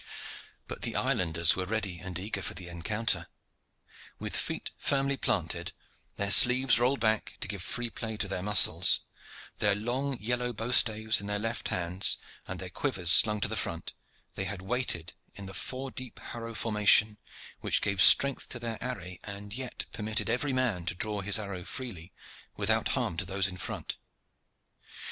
But the islanders were ready and eager for the encounter. With feet firmly planted, their sleeves rolled back to give free play to their muscles, their long yellow bow staves in their left hands, and their quivers slung to the front, they had waited in the four deep harrow formation which gave strength to their array, and yet permitted every man to draw his arrow freely without harm to those in front.